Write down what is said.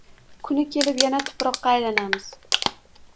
Kuni kelib, yana tuproqqa aylanamiz.